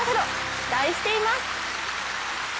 期待しています！